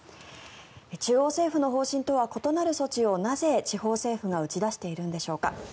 中央政府の方針とは異なる措置をなぜ、地方政府が打ち出しているのでしょうか。